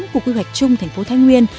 của quy hoạch chung thành phố thái nguyên